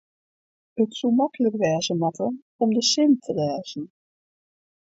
it soe maklik wêze moatte om de sin te lêzen